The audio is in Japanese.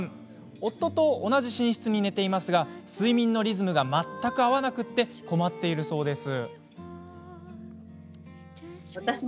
夫と同じ寝室に寝ていますが睡眠のリズムが全く合わなくて困っているそうです。